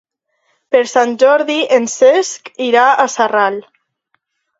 Per Sant Jordi en Cesc irà a Sarral.